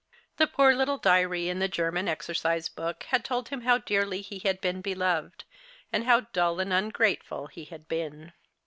The poor little diary in the German exercise book had told him how dearly he had been beloved, and how dull and ungrateful he liad been.